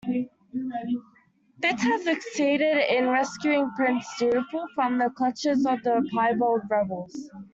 Fitz has succeeded in rescuing Prince Dutiful from the clutches of the Piebald rebels.